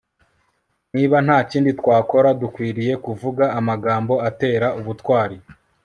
niba nta kindi twakora, dukwiriye kuvuga amagambo atera ubutwari